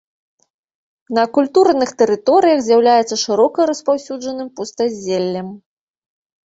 На акультураных тэрыторыях з'яўляецца шырока распаўсюджаным пустазеллем.